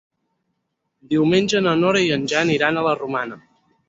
Diumenge na Nora i en Jan iran a la Romana.